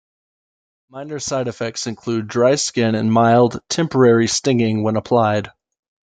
Minor side effects include dry skin and mild, temporary stinging when applied.